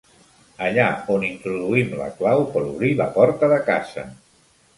Allà on introduïm la clau per obrir la porta de casa.